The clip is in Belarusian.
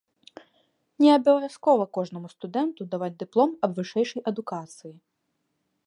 Не абавязкова кожнаму студэнту даваць дыплом аб вышэйшай адукацыі.